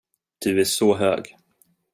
Du är så hög.